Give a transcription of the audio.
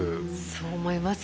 そう思いますね。